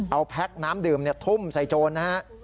เอาแพ็กน้ำดื่มถุ่มไซโจรนะครับ